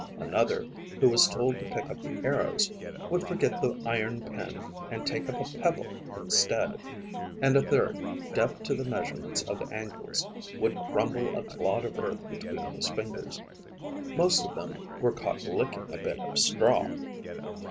Another, who was told to pick up the arrows, would forget the iron pin and take up a pebble instead; and a third deaf to the measurements of angles, would crumble a clod of earth between his fingers. Most of them were caught licking a bit of straw.